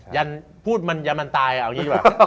ยันพูดมันยันมันตายเอาอย่างนี้ดีกว่า